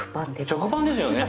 食パンですよね？